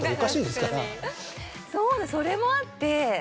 そうだそれもあって。